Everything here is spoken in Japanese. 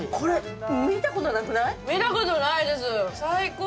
見たことないです、最高！